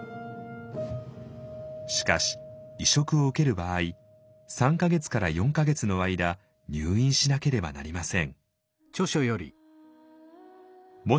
しかし移植を受ける場合３か月から４か月の間入院しなければなりません。